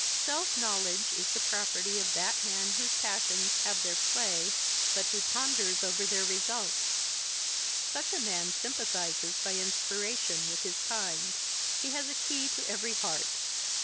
Self knowledge is the property of that man whose passions have their play, but who ponders over their results. Such a man sympathizes by inspiration with his kind. He has a key to every heart.